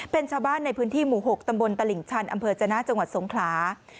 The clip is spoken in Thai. เป็นชาวบ้านในพื้นที่หมู่๖ตำบลตลิ่งชันอำเภอจนะจังหวัดสงขลา